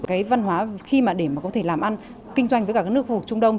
cái văn hóa khi mà để có thể làm ăn kinh doanh với các nước hồ trung đông